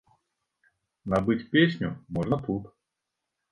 Набыць песню можна тут.